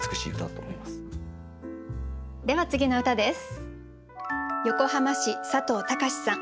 では次の歌です。